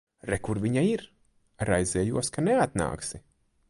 Re, kur viņa ir. Raizējos, ka neatnāksi.